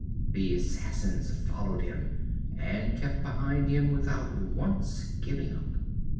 The assassins followed him, and kept behind him without once giving up.